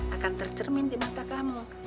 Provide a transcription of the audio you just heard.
akan tercermin di mata kamu